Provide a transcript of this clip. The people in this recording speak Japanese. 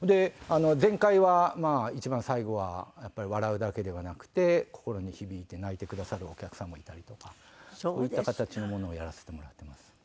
前回は一番最後はやっぱり笑うだけではなくて心に響いて泣いてくださるお客さんもいたりとかそういった形のものをやらせてもらってます。